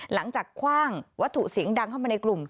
หลังจากคว่างวัตถุเสียงดังเข้าไปในกลุ่ม